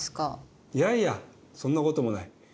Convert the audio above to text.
いやいやそんなこともない。